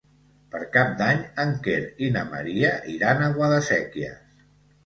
Per Cap d'Any en Quer i na Maria iran a Guadasséquies.